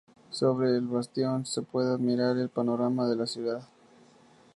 Sobre el bastión se puede admirar el panorama de la ciudad.